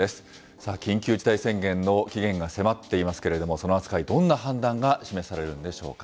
さあ、緊急事態宣言の期限が迫っていますけれども、その扱い、どんな判断が示されるんでしょうか。